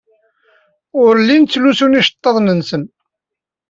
Ur llin ttlusun iceḍḍiḍen-nsen.